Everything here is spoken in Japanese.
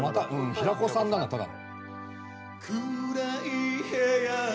平子さんだなただの。